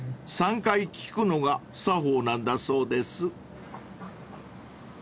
［３回聞くのが作法なんだそうです］